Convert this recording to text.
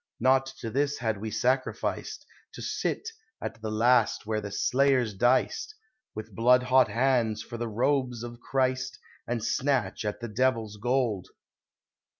Not to this had we sacrificed: To sit at the last where the slayers diced, With blood hot hands for the robes of Christ, And snatch at the Devil's gold.